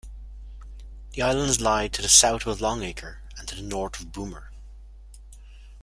The islands lie to the south of Longacre and to the north of Boomer.